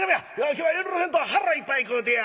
今日は遠慮せんと腹いっぱい食うてや」。